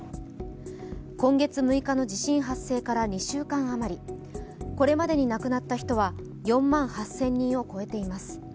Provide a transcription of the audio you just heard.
今月６日の地震発生から２週間あまり、これまでに亡くなった人は４万８０００人を超えています。